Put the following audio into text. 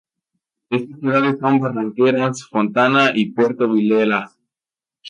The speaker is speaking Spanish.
Estas ciudades son Barranqueras, Fontana y Puerto Vilelas.